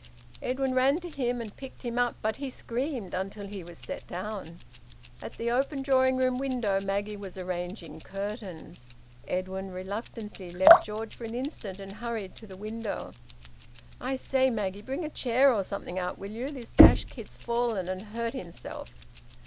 Edwin ran to him, and picked him up. But he screamed until he was set down. At the open drawing room window, Maggie was arranging curtains. Edwin reluctantly left George for an instant and hurried to the window, "I say, Maggie, bring a chair or something out, will you? This dashed kid's fallen and hurt himself."